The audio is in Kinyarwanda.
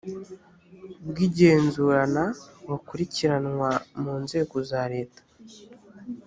bw igenzurana bukurikiranwa mu nzego za leta